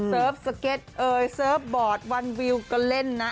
สเก็ตเอ่ยเซิร์ฟบอร์ดวันวิวก็เล่นนะ